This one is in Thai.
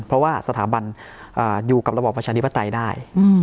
เพราะว่าสถาบันอยู่กับระบอบประชาธิปไตยได้